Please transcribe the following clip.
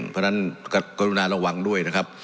เพราะฉะนั้นกรุณาระวังด้วยนะครับ